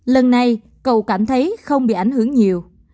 lần này cầu cảm thấy không bị ảnh hưởng nhiều